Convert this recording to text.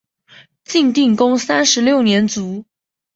晋定公三十六年卒。